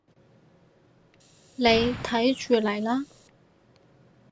你睇住嚟啦